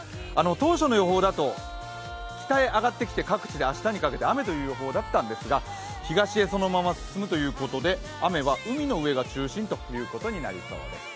当初の予報だと北へ上がってきて各地で明日にかけて雨という予報だったんですが東へそのまま進むということで雨は海の上が中心ということになりそうです。